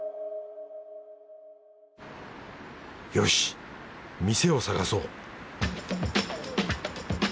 よし店を探そう！